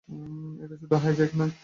এটা শুধু হাইজ্যাক নয়।